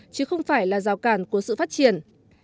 chứ không phải là rào cản của sự phát triển